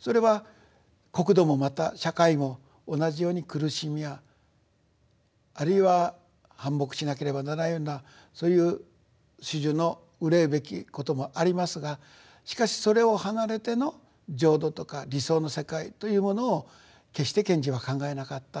それは国土もまた社会も同じように苦しみやあるいは反目しなければならないようなそういう種々の憂いべきこともありますがしかしそれを離れての浄土とか理想の世界というものを決して賢治は考えなかったと。